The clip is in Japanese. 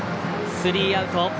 スリーアウト。